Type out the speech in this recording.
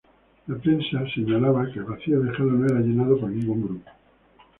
La prensa señalaba que el vacío dejado no era llenado por ningún otro grupo.